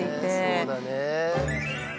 そうだね。